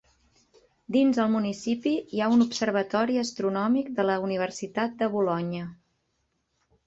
Dins el municipi hi ha un observatori astronòmic de la Universitat de Bolonya.